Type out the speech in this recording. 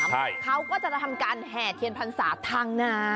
ใช่เขาก็จะทำการแห่เทียนพรรษาทางนา